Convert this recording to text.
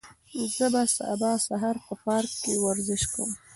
زه به سبا سهار په پارک کې ورزش کوم.